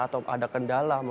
atau ada kendala